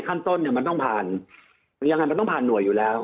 ยังไงขั้นต้นยังไงมันต้องผ่านหน่วยอยู่แล้ว